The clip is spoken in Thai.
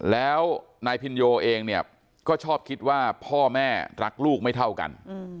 แล้วนายพินโยเองเนี่ยก็ชอบคิดว่าพ่อแม่รักลูกไม่เท่ากัน